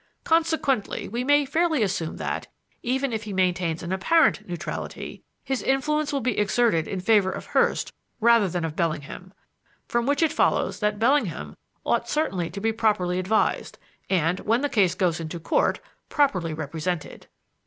Consequently, we may fairly assume that, even if he maintains an apparent neutrality, his influence will be exerted in favor of Hurst rather than of Bellingham; from which it follows that Bellingham ought certainly to be properly advised, and, when the case goes into Court, properly represented."